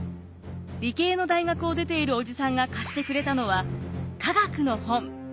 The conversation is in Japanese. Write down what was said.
理系の大学を出ている叔父さんが貸してくれたのは科学の本。